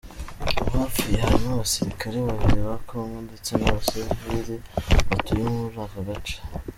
Mu bapfuye harimo abasirikare babiri ba Congo, ndetse n’abasivili batuye muri aka gace.